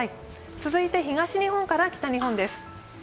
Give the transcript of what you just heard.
続いて東日本から北日本です。